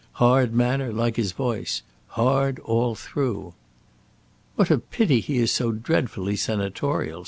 Hard manner, like his voice. Hard all through." "What a pity he is so dreadfully senatorial!"